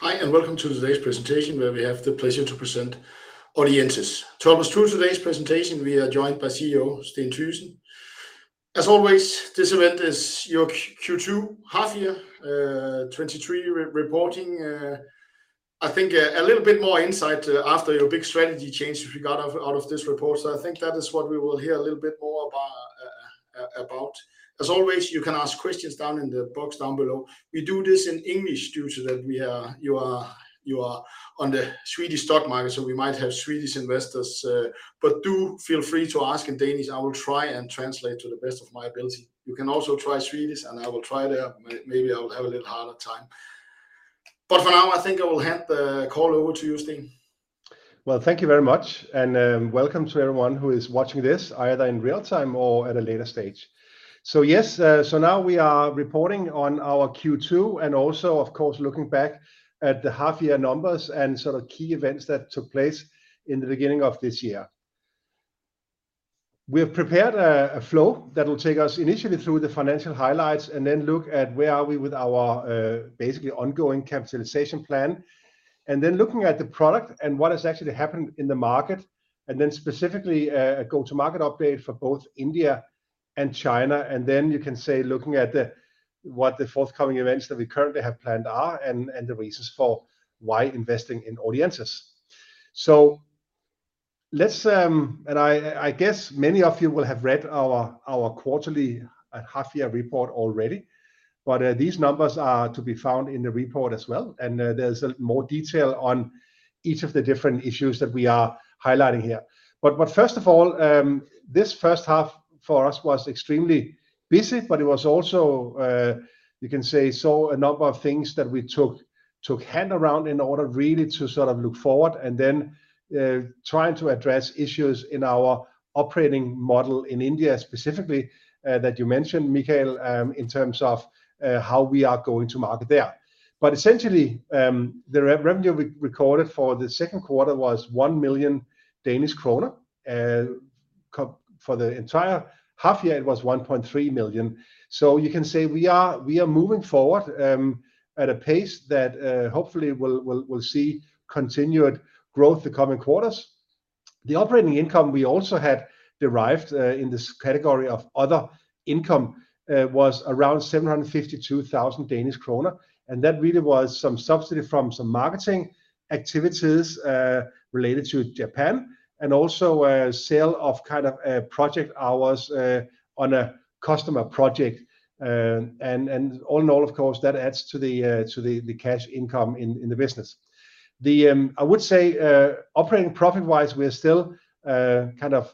Hi, and welcome to today's presentation, where we have the pleasure to present Audientes. To help us through today's presentation, we are joined by CEO Steen Thygesen. As always, this event is your Q2 half year, 2023 reporting. I think, a little bit more insight, after your big strategy change we got out of, out of this report. So I think that is what we will hear a little bit more about. As always, you can ask questions down in the box down below. We do this in English due to that we are- you are, you are on the Swedish stock market, so we might have Swedish investors. But do feel free to ask in Danish. I will try and translate to the best of my ability. You can also try Swedish, and I will try to, maybe I will have a little harder time. But for now, I think I will hand the call over to you, Steen. Well, thank you very much, and welcome to everyone who is watching this, either in real time or at a later stage. So yes, so now we are reporting on our Q2, and also, of course, looking back at the half year numbers and sort of key events that took place in the beginning of this year. We have prepared a flow that will take us initially through the financial highlights and then look at where are we with our basically ongoing capitalization plan. And then looking at the product and what has actually happened in the market, and then specifically go-to-market update for both India and China. And then you can say, looking at the what the forthcoming events that we currently have planned are, and the reasons for why investing in Audientes. So let's. I guess many of you will have read our quarterly and half year report already, but these numbers are to be found in the report as well, and there's more detail on each of the different issues that we are highlighting here. But first of all, this first half for us was extremely busy, but it was also you can say saw a number of things that we took in hand in order really to sort of look forward and then trying to address issues in our operating model in India specifically that you mentioned, Michael, in terms of how we are going to market there. But essentially, the revenue we recorded for the second quarter was 1 million Danish kroner, for the entire half year, it was 1.3 million. So you can say we are moving forward at a pace that hopefully will see continued growth the coming quarters. The operating income we also had derived in this category of other income was around 752,000 Danish kroner, and that really was some subsidy from some marketing activities related to Japan, and also a sale of kind of project hours on a customer project. And all in all, of course, that adds to the cash income in the business. I would say operating profit-wise, we are still kind of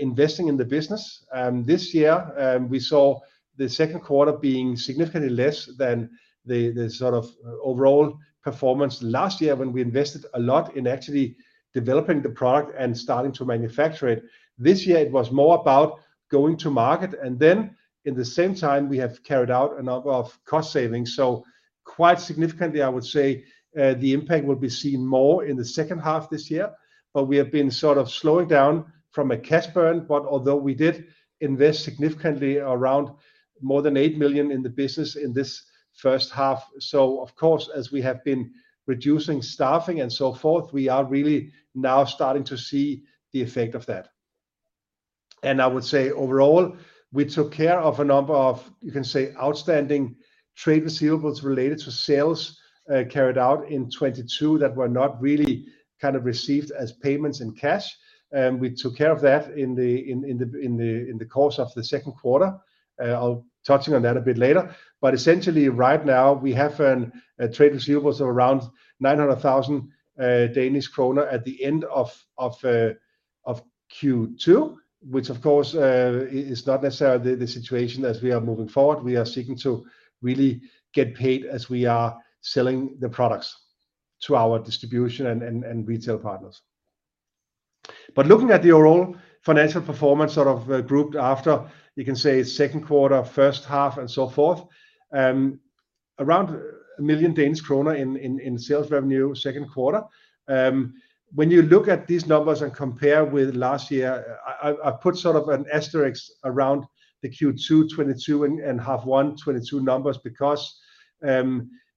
investing in the business. This year, we saw the second quarter being significantly less than the, the sort of overall performance last year when we invested a lot in actually developing the product and starting to manufacture it. This year it was more about going to market, and then in the same time, we have carried out a number of cost savings. So quite significantly, I would say, the impact will be seen more in the second half this year, but we have been sort of slowing down from a cash burn. But although we did invest significantly, around more than 8 million in the business in this first half, so of course, as we have been reducing staffing and so forth, we are really now starting to see the effect of that. I would say overall, we took care of a number of, you know, you can say, outstanding trade receivables related to sales carried out in 2022 that were not really kind of received as payments in cash. We took care of that in the course of the second quarter. I'll touch on that a bit later, but essentially right now we have a trade receivables of around 900,000 Danish kroner at the end of Q2, which of course is not necessarily the situation as we are moving forward. We are seeking to really get paid as we are selling the products to our distribution and retail partners. But looking at the overall financial performance, sort of grouped after, you can say second quarter, first half, and so forth. Around 1 million Danish kroner in sales revenue, second quarter. When you look at these numbers and compare with last year, I put sort of an asterisk around the Q2 2022 and half one 2022 numbers because,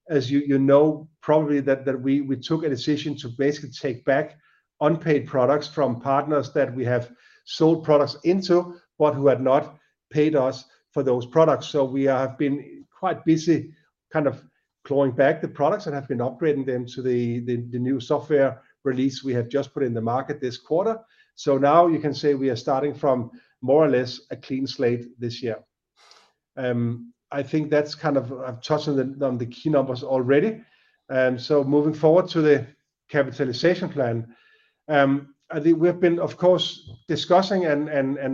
as you know, probably that we took a decision to basically take back unpaid products from partners that we have sold products into, but who had not paid us for those products. So we have been quite busy kind of clawing back the products and have been upgrading them to the new software release we have just put in the market this quarter. So now you can say we are starting from more or less a clean slate this year. I think that's kind of... I've touched on the key numbers already. Moving forward to the capitalization plan. I think we have been, of course, discussing and basically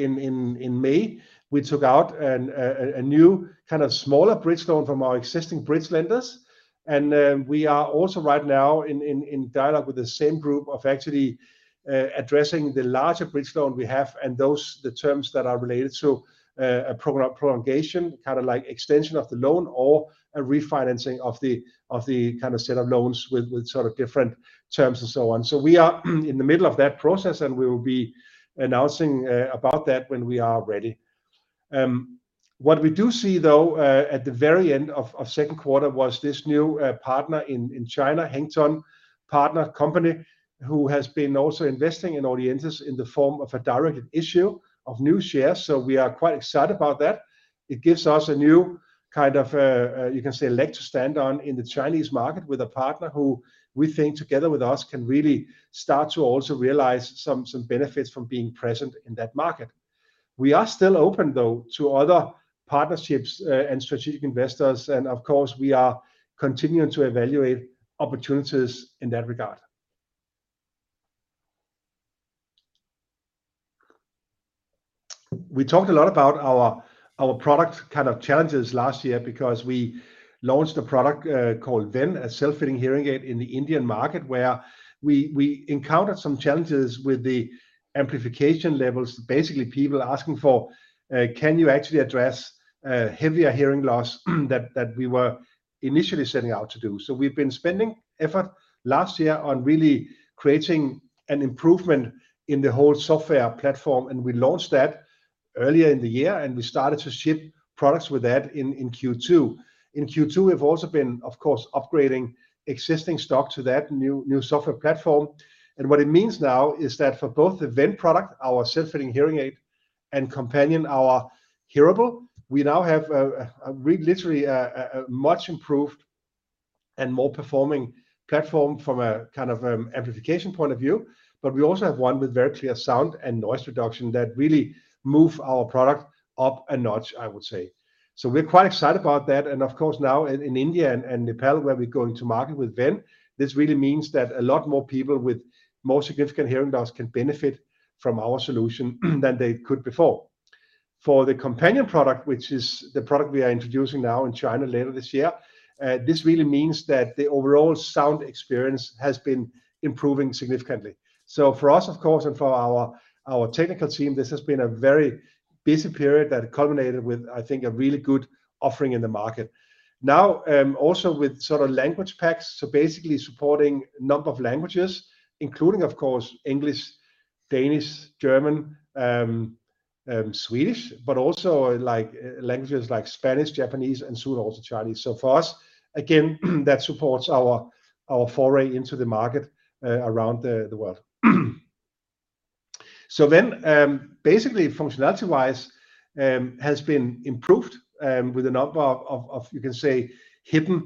in May, we took out a new kind of smaller bridge loan from our existing bridge lenders. We are also right now in dialogue with the same group of actually addressing the larger bridge loan we have and those, the terms that are related to a program prolongation, kind of like extension of the loan or a refinancing of the kind of set of loans with sort of different terms and so on. So we are in the middle of that process, and we will be announcing about that when we are ready... What we do see, though, at the very end of second quarter, was this new partner in China, Hengtong partner company, who has been also investing in Audientes in the form of a directed issue of new shares. So we are quite excited about that. It gives us a new kind of, you can say, leg to stand on in the Chinese market with a partner who we think together with us, can really start to also realize some, some benefits from being present in that market. We are still open, though, to other partnerships, and strategic investors, and of course, we are continuing to evaluate opportunities in that regard. We talked a lot about our, our product kind of challenges last year because we launched a product, called Ven, a self-fitting hearing aid in the Indian market, where we, we encountered some challenges with the amplification levels. Basically, people asking for, can you actually address a heavier hearing loss? That, that we were initially setting out to do. So we've been spending effort last year on really creating an improvement in the whole software platform, and we launched that earlier in the year, and we started to ship products with that in Q2. In Q2, we've also been, of course, upgrading existing stock to that new software platform. And what it means now is that for both the Ven product, our self-fitting hearing aid, and Companion, our hearable, we now have a much improved and more performing platform from a kind of amplification point of view. But we also have one with very clear sound and noise reduction that really move our product up a notch, I would say. So we're quite excited about that. Of course, now in India and Nepal, where we're going to market with Ven, this really means that a lot more people with more significant hearing loss can benefit from our solution than they could before. For the Companion product, which is the product we are introducing now in China later this year, this really means that the overall sound experience has been improving significantly. So for us, of course, and for our technical team, this has been a very busy period that culminated with, I think, a really good offering in the market. Now, also with sort of language packs, so basically supporting a number of languages, including, of course, English, Danish, German, Swedish, but also like languages like Spanish, Japanese, and soon also Chinese. So for us, again, that supports our foray into the market around the world. So then, basically functionality-wise, has been improved with a number of you can say hidden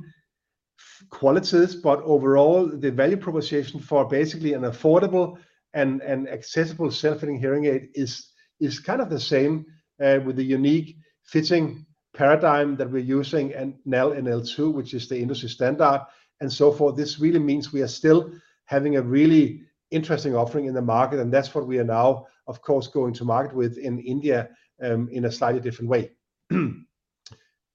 qualities, but overall the value proposition for basically an affordable and accessible self-fitting hearing aid is kind of the same with the unique fitting paradigm that we're using and NAL-NL2, which is the industry standard and so forth. This really means we are still having a really interesting offering in the market, and that's what we are now, of course, going to market with in India in a slightly different way.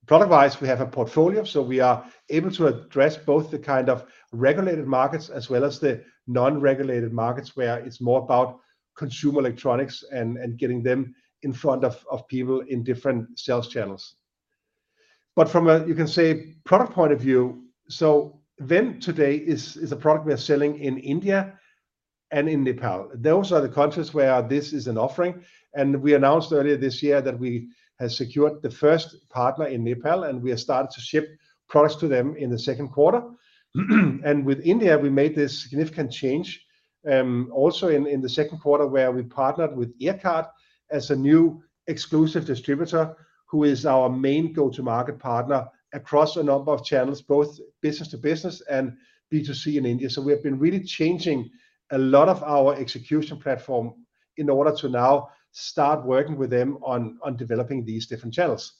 Product-wise, we have a portfolio, so we are able to address both the kind of regulated markets as well as the non-regulated markets, where it's more about consumer electronics and getting them in front of people in different sales channels. But from a, you can say, product point of view, so Ven today is a product we are selling in India and in Nepal. Those are the countries where this is an offering, and we announced earlier this year that we have secured the first partner in Nepal, and we have started to ship products to them in the second quarter. And with India, we made this significant change also in the second quarter, where we partnered with earKART as a new exclusive distributor who is our main go-to-market partner across a number of channels, both business to business and B2C in India. So we have been really changing a lot of our execution platform in order to now start working with them on developing these different channels.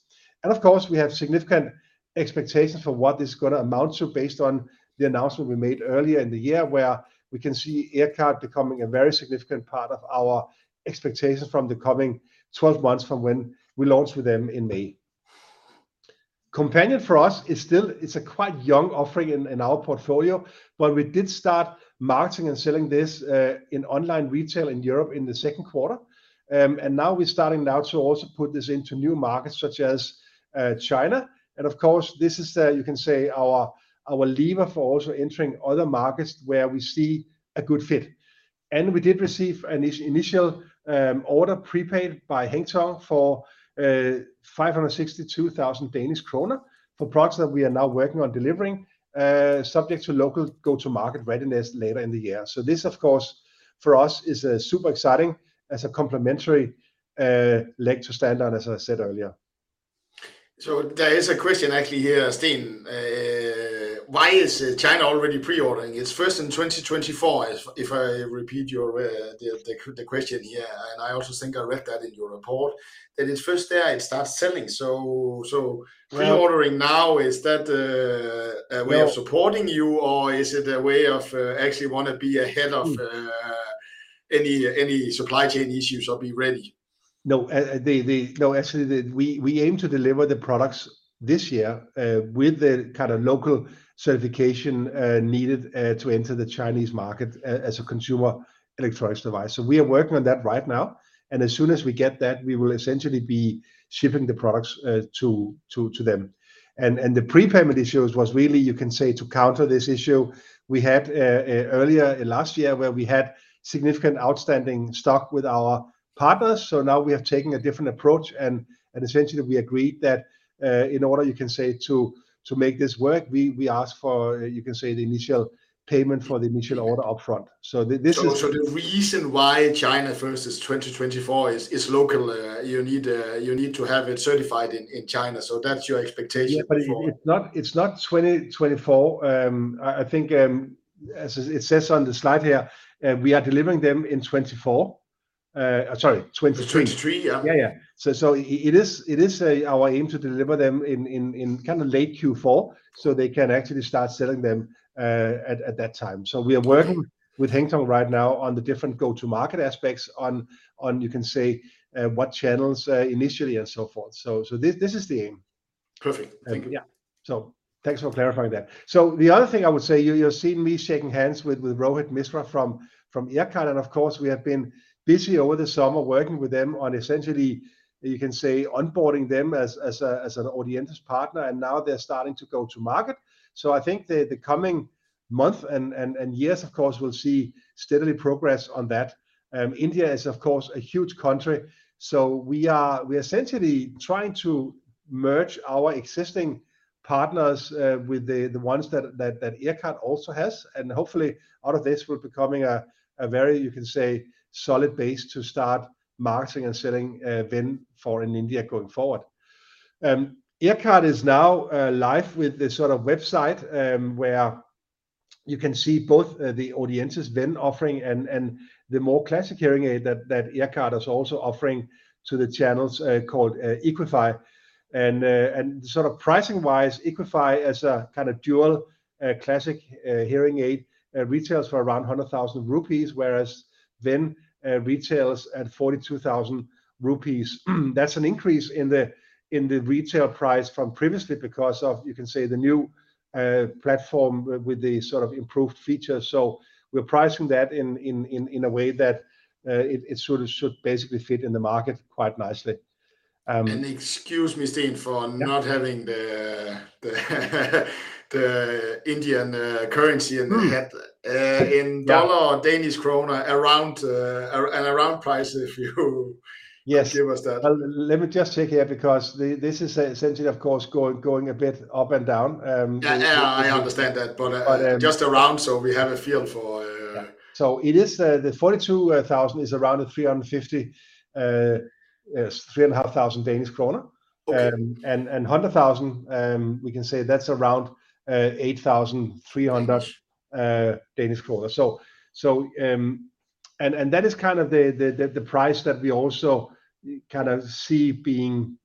And of course, we have significant expectations for what this is gonna amount to, based on the announcement we made earlier in the year, where we can see earKART becoming a very significant part of our expectations from the coming twelve months from when we launched with them in May. Companion for us is still, it's a quite young offering in our portfolio, but we did start marketing and selling this in online retail in Europe in the second quarter. And now we're starting to also put this into new markets such as China. And of course, this is you can say our lever for also entering other markets where we see a good fit. We did receive an initial order prepaid by Hengtong for 562,000 Danish kroner for products that we are now working on delivering, subject to local go-to-market readiness later in the year. This, of course, for us is super exciting as a complementary leg to stand on, as I said earlier. So there is a question actually here, Steen. Why is China already pre-ordering? It's first in 2024, if I repeat your the question here, and I also think I read that in your report, that it's first there it starts selling. So, so- Right... pre-ordering now, is that a way of- No supporting you, or is it a way of, actually want to be ahead of, Mm... any supply chain issues or be ready?... No, actually they, we aim to deliver the products this year, with the kind of local certification needed to enter the Chinese market as a consumer electronics device. So we are working on that right now, and as soon as we get that, we will essentially be shipping the products to them. And the prepayment issues was really, you can say, to counter this issue we had earlier last year, where we had significant outstanding stock with our partners. So now we have taken a different approach, and essentially we agreed that, in order, you can say, to make this work, we ask for, you can say, the initial payment for the initial order upfront. So this is- So, the reason why China first is 2024 is local. You need to have it certified in China, so that's your expectation for- Yeah, but it's not, it's not 2024. I think, as it says on the slide here, we are delivering them in 2024. Sorry, 2023. 2023, yeah. Yeah, yeah. So it is our aim to deliver them in kind of late Q4, so they can actually start selling them at that time. So we are working- Okay... with Hengtong right now on the different go-to market aspects on, on, you can say, what channels, initially and so forth. So, so this, this is the aim. Perfect. Thank you. Yeah, so thanks for clarifying that. So the other thing I would say, you're seeing me shaking hands with Rohit Misra from earKART, and of course, we have been busy over the summer working with them on essentially, you can say, onboarding them as an Audientes partner, and now they're starting to go to market. So I think the coming month and years, of course, we'll see steadily progress on that. India is, of course, a huge country, so we are essentially trying to merge our existing partners with the ones that earKART also has, and hopefully out of this, we're becoming a very, you can say, solid base to start marketing and selling Ven in India going forward. earKART is now live with this sort of website, where you can see both the Audientes Ven offering and the more classic hearing aid that earKART is also offering to the channels, called EQFY. And sort of pricing-wise, EQFY as a kind of dual classic hearing aid retails for around 100,000 rupees, whereas Ven retails at 42,000 rupees. That's an increase in the retail price from previously because of, you can say, the new platform with the sort of improved features. So we're pricing that in a way that it sort of should basically fit in the market quite nicely. Excuse me, Steen, for not- Yeah... having the Indian currency in my head. Mm-hmm. in dollar- Yeah... or Danish krone around price, if you - Yes... give us that. Well, let me just check here, because this is, essentially, of course, going a bit up and down, with- Yeah, yeah, I understand that. But, um- But just around, so we have a feel for So it is, the $42,000 is around 350, yes, 350,000 Danish kroner. Okay. 100,000, we can say that's around 8,300 Danish kroner- Danish... Danish krone. So, that is kind of the price that we also kind of see being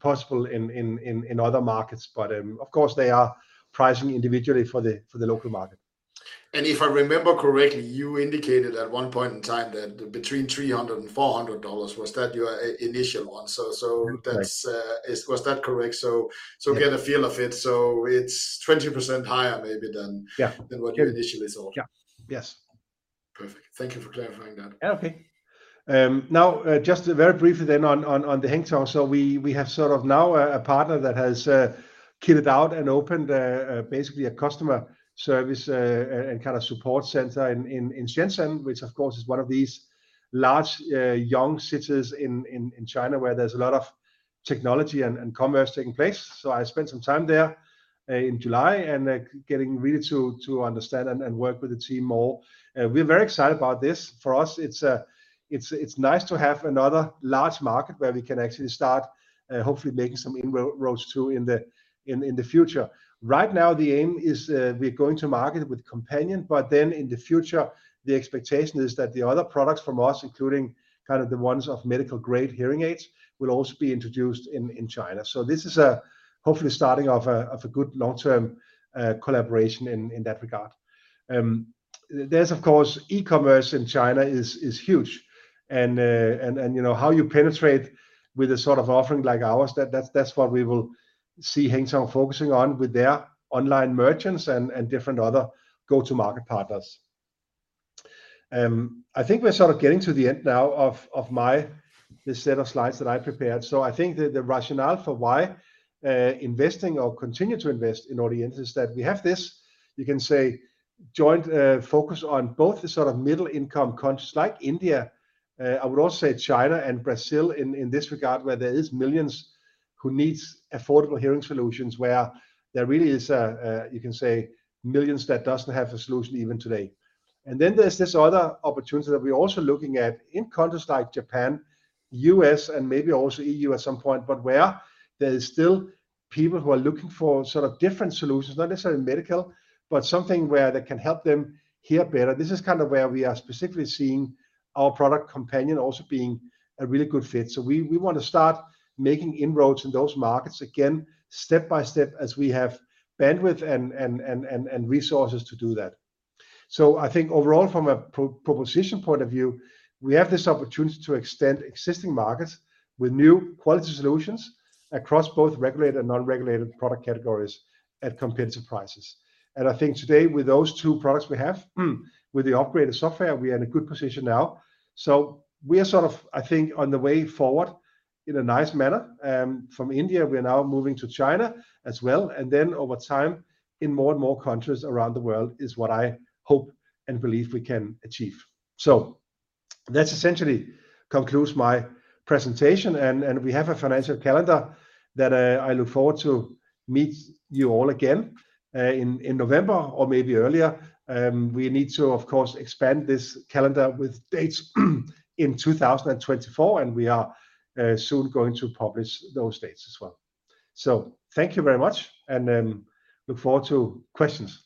possible in other markets. But, of course, they are pricing individually for the local market. If I remember correctly, you indicated at one point in time that between $300 and $400, was that your initial one? So, Right... that's, is, was that correct? So- Yeah... so get a feel of it. So it's 20% higher maybe than- Yeah... than what you initially thought. Yeah. Yes. Perfect. Thank you for clarifying that. Okay. Now, just very briefly then on the Hengtong. So we have sort of now a partner that has kitted out and opened basically a customer service and kind of support center in Shenzhen, which of course is one of these large young cities in China, where there's a lot of technology and commerce taking place. So I spent some time there in July, and getting really to understand and work with the team more. We're very excited about this. For us, it's nice to have another large market where we can actually start hopefully making some inroads too, in the future. Right now, the aim is, we're going to market with Companion, but then in the future, the expectation is that the other products from us, including kind of the ones of medical-grade hearing aids, will also be introduced in China. So this is a hopefully starting of a good long-term collaboration in that regard. There's of course e-commerce in China is huge, and you know, how you penetrate with a sort of offering like ours, that's what we will see Hengtong focusing on with their online merchants and different other go-to-market partners. I think we're sort of getting to the end now of this set of slides that I prepared. So I think that the rationale for why investing or continue to invest in Audientes is that we have this, you can say, joint focus on both the sort of middle-income countries like India, I would also say China and Brazil in this regard, where there is millions who needs affordable hearing solutions, where there really is, you can say, millions that doesn't have a solution even today. And then there's this other opportunity that we're also looking at in countries like Japan, U.S., and maybe also E.U. at some point, but where there is still people who are looking for sort of different solutions, not necessarily medical, but something where they can help them hear better. This is kind of where we are specifically seeing our product, Companion, also being a really good fit. So we want to start making inroads in those markets again, step by step, as we have bandwidth and resources to do that. So I think overall, from a proposition point of view, we have this opportunity to extend existing markets with new quality solutions across both regulated and non-regulated product categories at competitive prices. And I think today, with those two products we have, with the upgraded software, we are in a good position now. So we are sort of, I think, on the way forward in a nice manner. From India, we are now moving to China as well, and then over time, in more and more countries around the world, is what I hope and believe we can achieve. So that essentially concludes my presentation, and we have a financial calendar that I look forward to meet you all again in November or maybe earlier. We need to, of course, expand this calendar with dates in 2024, and we are soon going to publish those dates as well. So thank you very much, and look forward to questions.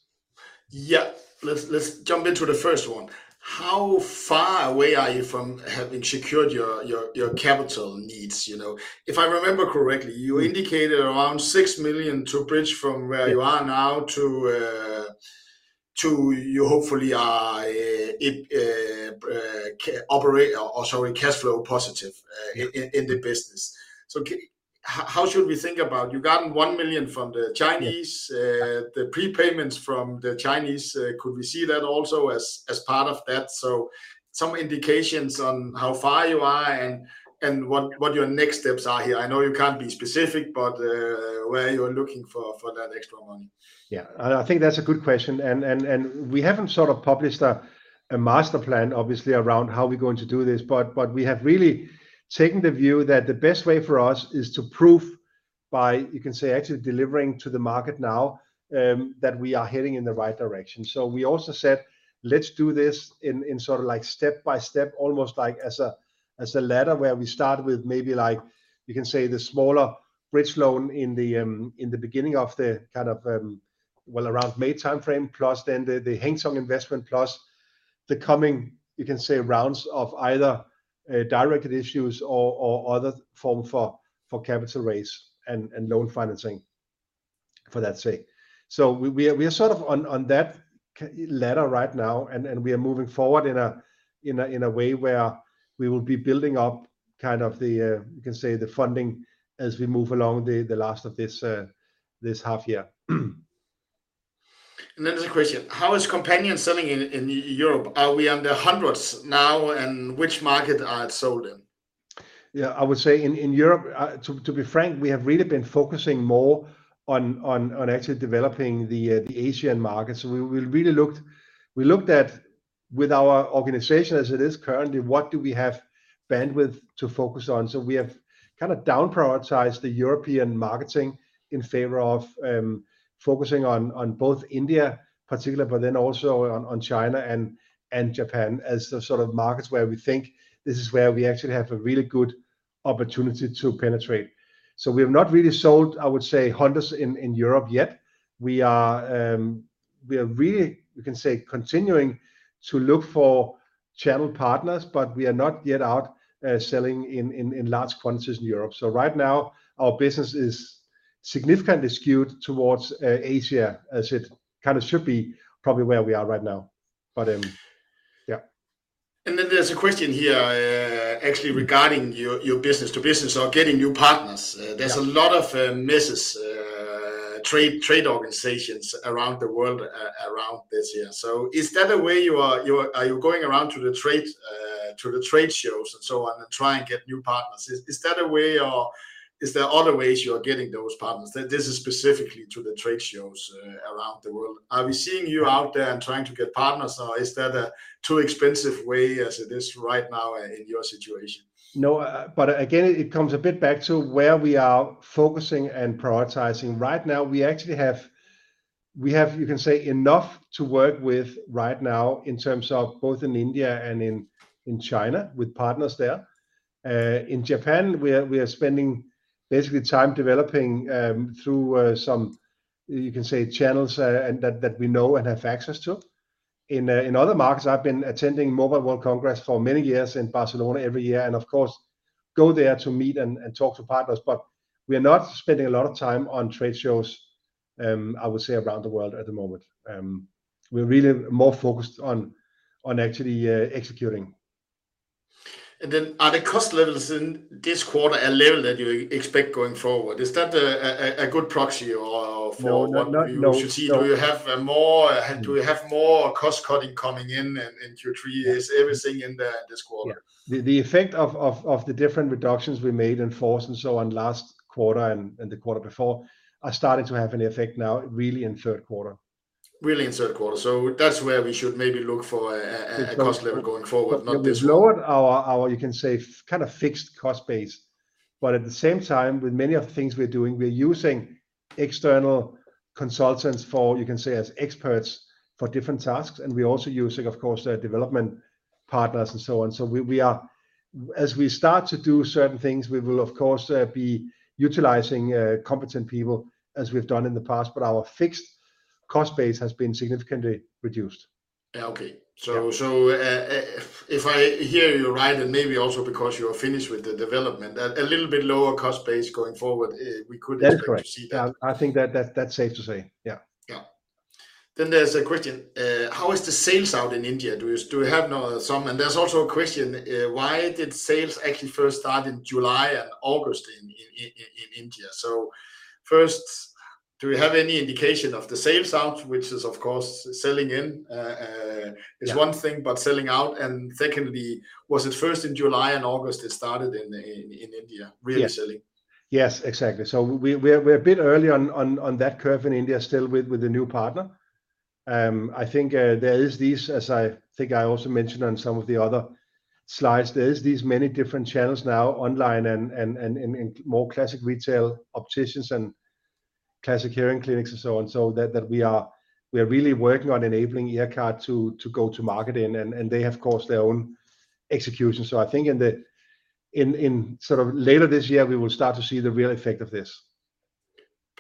Yeah. Let's jump into the first one. How far away are you from having secured your capital needs, you know? If I remember correctly, you indicated around 6 million to bridge from where you are now to you hopefully cash flow positive in the business. So how should we think about—you've gotten 1 million from the Chinese, the prepayments from the Chinese. Could we see that also as part of that? So some indications on how far you are and what your next steps are here. I know you can't be specific, but where you are looking for that extra money? Yeah, and I think that's a good question, and we haven't sort of published a master plan obviously around how we're going to do this, but we have really taken the view that the best way for us is to prove by, you can say, actually delivering to the market now, that we are heading in the right direction. So we also said, "Let's do this in sort of like step by step," almost like as a ladder, where we start with maybe like, you can say, the smaller bridge loan in the beginning of the kind of well, around May timeframe, plus then the Hengtong investment, plus the coming, you can say, rounds of either directed issues or other form for capital raise and loan financing, for that sake. So we are sort of on that ladder right now, and we are moving forward in a way where we will be building up kind of the, you can say, the funding as we move along the last of this half year. And then there's a question: How is Companion selling in Europe? Are we on the hundreds now, and which market are it sold in? Yeah, I would say in Europe, to be frank, we have really been focusing more on actually developing the Asian market. So we really looked at with our organization as it is currently, what do we have bandwidth to focus on? So we have kind of downprioritized the European marketing in favor of focusing on both India in particular, but then also on China and Japan as the sort of markets where we think this is where we actually have a really good opportunity to penetrate. So we have not really sold, I would say, hundreds in Europe yet. We are really, you can say, continuing to look for channel partners, but we are not yet out selling in large quantities in Europe. So right now, our business is significantly skewed towards Asia, as it kind of should be probably where we are right now. But, yeah. There's a question here, actually, regarding your, your business to business or getting new partners. Yeah. There's a lot of major trade organizations around the world around this year. So is that a way—are you going around to the trade shows and so on and try and get new partners? Is that a way, or is there other ways you are getting those partners? This is specifically to the trade shows around the world. Are we seeing you out there and trying to get partners, or is that too expensive way as it is right now in your situation? No, but again, it comes a bit back to where we are focusing and prioritizing. Right now, we actually have you can say, enough to work with right now in terms of both in India and in China, with partners there. In Japan, we are spending basically time developing through some you can say, channels and that we know and have access to. In other markets, I've been attending Mobile World Congress for many years in Barcelona every year, and of course, go there to meet and talk to partners. But we are not spending a lot of time on trade shows, I would say, around the world at the moment. We're really more focused on actually executing. Then are the cost levels in this quarter a level that you expect going forward? Is that a good proxy or for what- No, not, no.... we should see? Do you have a more- No... do you have more cost cutting coming in Q3? Yeah. Is everything in there in this quarter? Yeah. The effect of the different reductions we made in force and so on last quarter and the quarter before are starting to have an effect now, really in third quarter. Really in third quarter. So that's where we should maybe look for a It's not... cost level going forward, not this one. We've lowered our you can say, kind of fixed cost base, but at the same time, with many of the things we're doing, we're using external consultants for, you can say, as experts for different tasks, and we're also using, of course, development partners and so on. So we are as we start to do certain things, we will of course, be utilizing, competent people, as we've done in the past, but our fixed cost base has been significantly reduced. Okay. Yeah. So, if I hear you right, and maybe also because you are finished with the development, a little bit lower cost base going forward, we could- That's correct... expect to see that. Yeah, I think that that's safe to say. Yeah. Yeah... Then there's a question: how is the sales out in India? Do we have now some? And there's also a question, why did sales actually first start in July and August in India? So first, do we have any indication of the sales out, which is of course, selling in- Yeah. Is one thing, but selling out. And secondly, was it first in July and August it started in India, really selling? Yes. Yes, exactly. So we're a bit early on that curve in India still with the new partner. I think there is these, as I think I also mentioned on some of the other slides, there's these many different channels now online and more classic retail opticians and classic hearing clinics and so on. So that we are really working on enabling earKART to go to market, and they have, of course, their own execution. So I think in sort of later this year, we will start to see the real effect of this.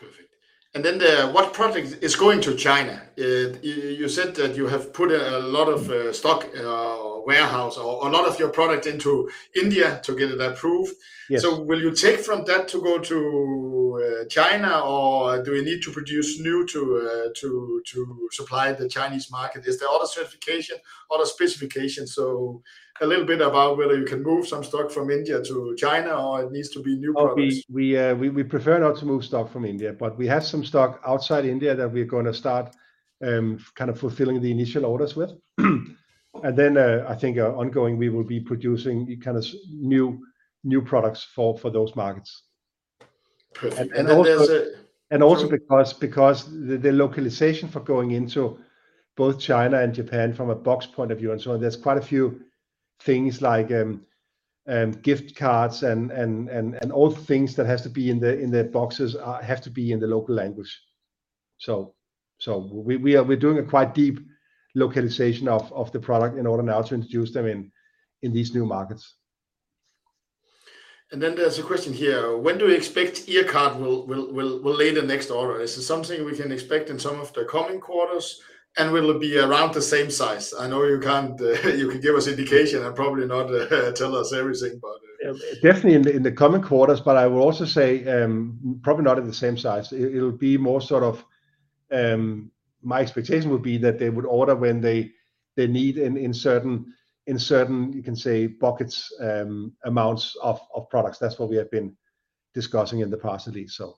Perfect. And then, what product is going to China? You said that you have put a lot of stock warehouse or a lot of your product into India to get it approved. Yes. So will you take from that to go to China, or do you need to produce new to supply the Chinese market? Is there other certification, other specifications? So a little bit about whether you can move some stock from India to China, or it needs to be new products. We prefer not to move stock from India, but we have some stock outside India that we're gonna start kind of fulfilling the initial orders with. Mm-hmm. And then, I think, ongoing we will be producing kind of new products for those markets. Perfect, and then there's a- And also because the localization for going into both China and Japan from a box point of view and so on, there's quite a few things like, gift cards and all things that has to be in the boxes, have to be in the local language. So we're doing a quite deep localization of the product in order now to introduce them in these new markets. Then there's a question here: When do we expect earKART will lay the next order? Is this something we can expect in some of the coming quarters, and will it be around the same size? I know you can't... you can give us indication and probably not tell us everything, but. Definitely in the coming quarters, but I will also say, probably not at the same size. It'll be more sort of... My expectation would be that they would order when they need in certain, you can say, buckets, amounts of products. That's what we have been discussing in the past lately, so.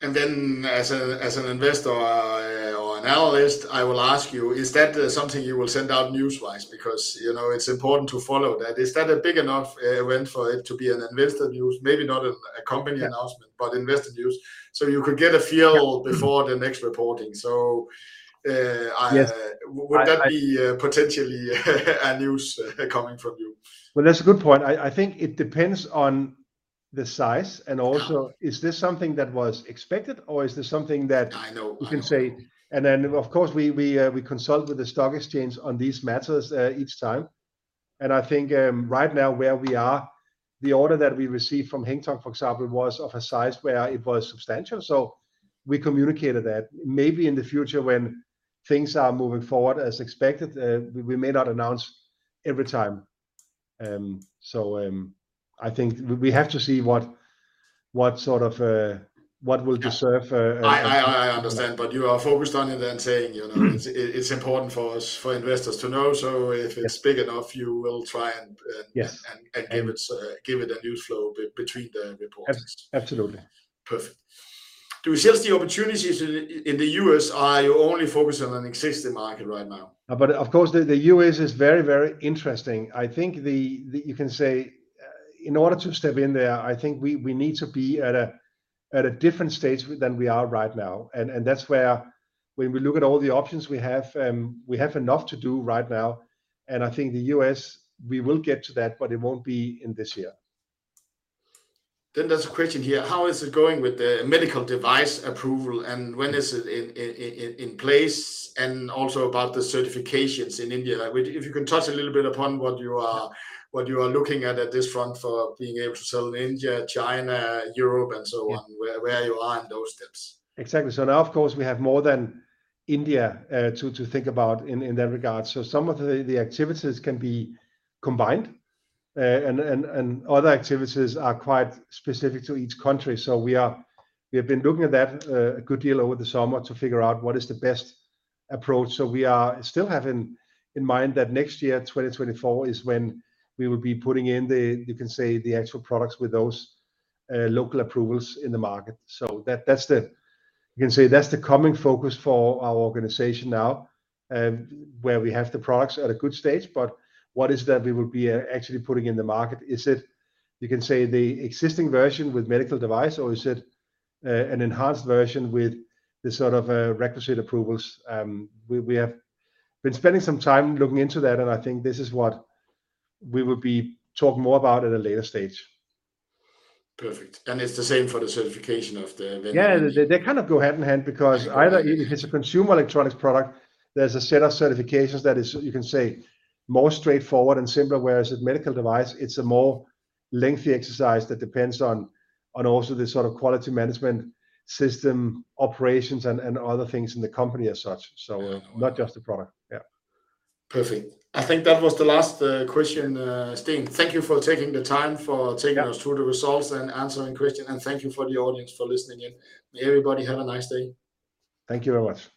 Then as an investor or an analyst, I will ask you, is that something you will send out newswise? Because, you know, it's important to follow that. Is that a big enough event for it to be an investor news? Maybe not a company announcement- Yeah... but investor news, so you could get a feel before the next reporting. So, I- Yes, I- Would that be potentially a news coming from you? Well, that's a good point. I, I think it depends on the size and also is this something that was expected or is this something that- I know, I know.... you can say? And then of course, we consult with the stock exchange on these matters, each time. And I think, right now, where we are, the order that we received from Hang Seng, for example, was of a size where it was substantial, so we communicated that. Maybe in the future when things are moving forward as expected, we may not announce every time. So, I think we have to see what sort of what will deserve a- I understand, but you are focused on it and saying, you know- Mm ...it, it's important for us, for investors to know. So if- Yes... it's big enough, you will try and Yes... and give it a news flow between the reports. Ab- absolutely. Perfect. Do you see the opportunities in, in the U.S., or are you only focused on an existing market right now? But of course, the U.S. is very, very interesting. I think you can say in order to step in there, I think we need to be at a different stage than we are right now. That's where, when we look at all the options we have, we have enough to do right now, and I think the U.S., we will get to that, but it won't be in this year. Then there's a question here: How is it going with the medical device approval, and when is it in place? And also about the certifications in India, like, if you can touch a little bit upon what you are looking at at this front for being able to sell in India, China, Europe, and so on- Yeah... where you are in those steps. Exactly. So now, of course, we have more than India to think about in that regard. So some of the activities can be combined, and other activities are quite specific to each country. So we have been looking at that a good deal over the summer to figure out what is the best approach. So we are still having in mind that next year, 2024, is when we will be putting in the, you can say, the actual products with those local approvals in the market. So that, that's the... You can say that's the coming focus for our organization now, where we have the products at a good stage, but what is that we will be actually putting in the market? Is it, you can say the existing version with medical device, or is it an enhanced version with the sort of requisite approvals? We have been spending some time looking into that, and I think this is what we will be talking more about at a later stage. Perfect. It's the same for the certification of the medical- Yeah, they kind of go hand in hand, because either if it's a consumer electronics product, there's a set of certifications that is, you can say, more straightforward and simpler. Whereas a medical device, it's a more lengthy exercise that depends on also the sort of quality management system, operations, and other things in the company as such. So not just the product. Yeah. Perfect. I think that was the last question. Steen, thank you for taking the time, for taking- Yeah... us through the results and answering questions. Thank you to the audience for listening in. May everybody have a nice day. Thank you very much.